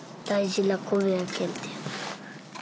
大事な米やけんって。